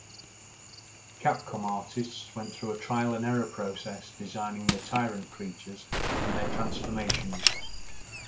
Capcom artists went through a trial-and-error process designing the Tyrant creatures and their transformations.